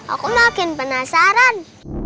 aku makin penasaran